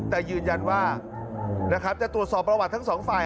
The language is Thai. แต่ยืนยันว่านะครับจะตรวจสอบประวัติทั้งสองฝ่าย